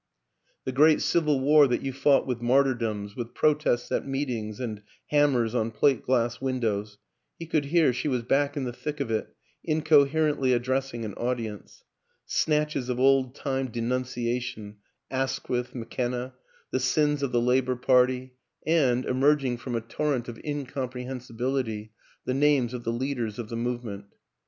The Great Civil War that you fought with martyrdoms, with protests at meetings and ham mers on plate glass windows he could hear she was back in the thick of it incoherently addressing an audience. Snatches of old time denunciation Asquith, McKenna, the sins of the Labor WILLIAM AN ENGLISHMAN Party and, emerging from a torrent of incom prehensibility, the names of the Leaders of the Movement.